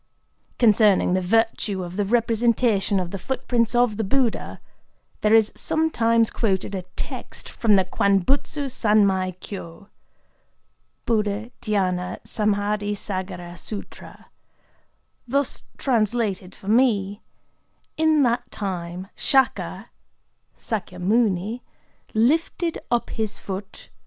Concerning the virtue of the representation of the footprints of the Buddha, there is sometimes quoted a text from the Kwan butsu sanmai kyō ["Buddha dhyâna samâdhi sâgara sûtra"], thus translated for me:—"In that time Shaka ["Sâkyamuni"] lifted up his foot….